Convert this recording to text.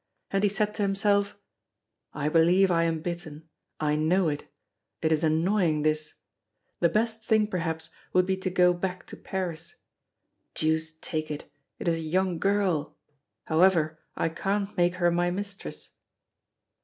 And he said to himself: "I believe I am bitten. I know it. It is annoying, this! The best thing, perhaps, would be to go back to Paris. Deuce take it, it is a young girl! However, I can't make her my mistress."